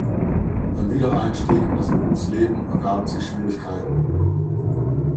Beim Wiedereinstieg in das Berufsleben ergaben sich Schwierigkeiten.